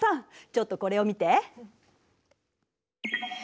ちょっとこれを見て。